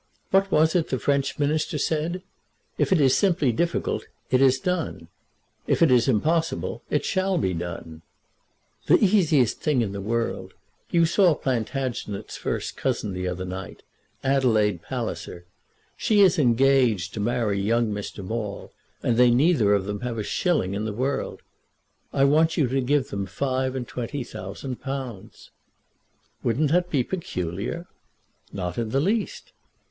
"What was it the French Minister said. If it is simply difficult it is done. If it is impossible, it shall be done." "The easiest thing in the world. You saw Plantagenet's first cousin the other night, Adelaide Palliser. She is engaged to marry young Mr. Maule, and they neither of them have a shilling in the world. I want you to give them five and twenty thousand pounds." "Wouldn't that be peculiar?" "Not in the least."